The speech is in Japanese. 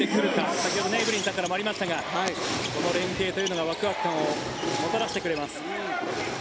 先ほどエブリンさんからもありましたがこの連係がワクワク感をもたらしてくれます。